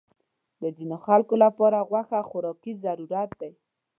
د ځینو خلکو لپاره غوښه خوراکي ضرورت دی.